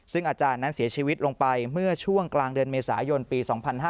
ซึ่งอาจารย์นั้นเสียชีวิตลงไปเมื่อช่วงกลางเดือนเมษายนปี๒๕๕๙